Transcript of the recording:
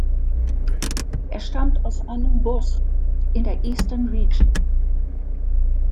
Er stammt aus Anum-Boso in der Eastern Region.